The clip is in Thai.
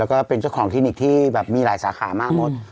แล้วก็เป็นเจ้าของคลินิกที่แบบมีหลายสาขามากหมด